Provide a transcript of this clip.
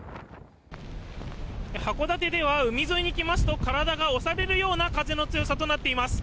函館では海沿いに来ますと体が押されるような風の強さになっています。